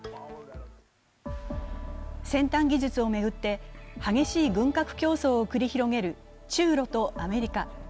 先端技術を巡って激しい軍拡競争を繰り広げる中ロとアメリカ。